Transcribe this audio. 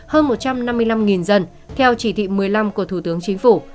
hơn một trăm năm mươi năm dân theo chỉ thị một mươi năm của thủ tướng chính phủ